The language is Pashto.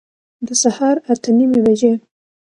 د سهار اته نیمي بجي